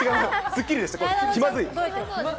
スッキリでした、気まずい。